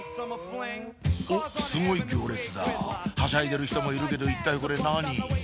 おっすごい行列だはしゃいでる人もいるけど一体これ何？